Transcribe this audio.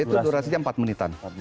itu durasi nya empat menitan